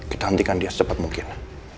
kita hentikan dia secepat mungkin